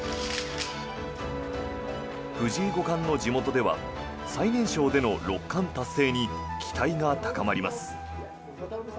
藤井五冠の地元では最年少での六冠達成に期待が高まります。